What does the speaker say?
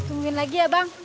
tungguin lagi ya bang